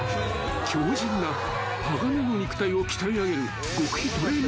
［強靱な鋼の肉体を鍛え上げる］